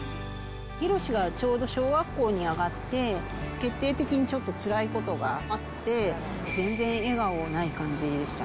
ヒロシがちょうど小学校に上がって、決定的にちょっとつらいことがあって、全然笑顔がない感じでした。